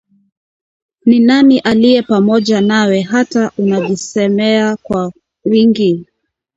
Na ni nani aliye pamoja nawe hata unajisemea kwa wingi